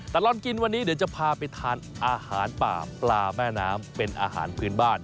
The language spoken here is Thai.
ตลอดกินวันนี้เดี๋ยวจะพาไปทานอาหารป่าปลาแม่น้ำเป็นอาหารพื้นบ้าน